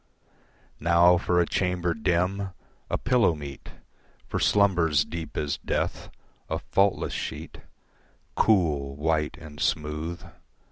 Now for a chamber dim, a pillow meet For slumbers deep as death, a faultless sheet, Cool, white and smooth.